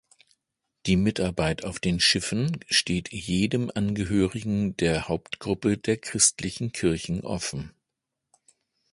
Die Mitarbeit auf den Schiffen steht jedem Angehörigen der Hauptgruppe der christlichen Kirchen offen.